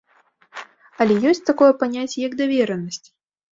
Але ёсць такое паняцце, як даверанасць.